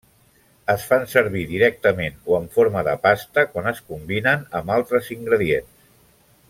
Es fan servir directament o en forma de pasta quan es combinen amb altres ingredients.